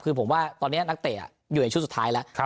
คือผมว่าตอนนี้นักเตะอยู่ในชุดสุดท้ายแล้ว